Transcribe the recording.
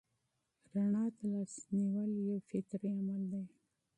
رڼا ته لاس نیول یو فطري عمل دی.